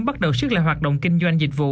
bắt đầu xích lại hoạt động kinh doanh dịch vụ